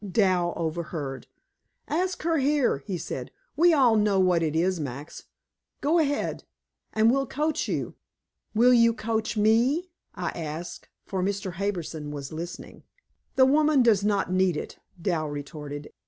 Dal overheard. "Ask her here," he said. "We all know what it is, Max. Go ahead and we'll coach you." "Will you coach ME?" I asked, for Mr. Harbison was listening. "The woman does not need it," Dal retorted.